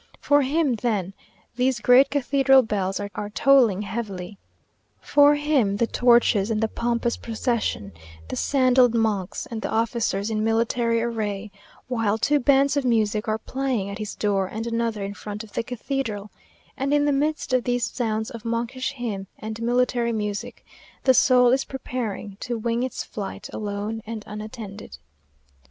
For him, then, these great cathedral bells are tolling heavily; for him, the torches and the pompous procession the sandalled monks, and the officers in military array; while two bands of music are playing at his door and another in front of the cathedral, and in the midst of these sounds of monkish hymn and military music, the soul is preparing to wing its flight alone and unattended.